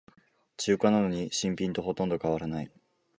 中古なのに新品とほとんど変わらない